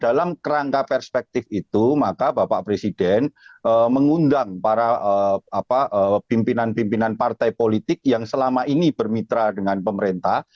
dalam kerangka perspektif itu maka bapak presiden mengundang para pimpinan pimpinan partai politik yang selama ini bermitra dengan pemerintah